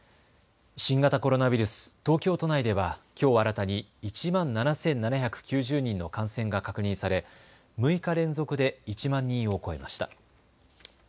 新型コロナウイルス、東京都内ではきょう新たに１万７７９０人の感染が確認され６日連続で１万人を超えました。